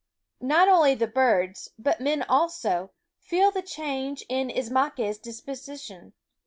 Not only the birds, but men also, feel the change in Ismaques' disposition.